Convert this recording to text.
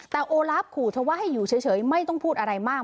แต่โอลาฟขู่เธอว่าให้อยู่เฉยไม่ต้องพูดอะไรมาก